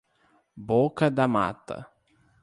Boca da Mata